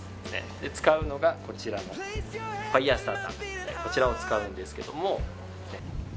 使うのがこちらのファイヤースターター、こちらを使うんですけど。